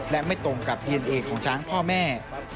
และไม่ตรงกับดีเอนเอของช้างพ่อแม่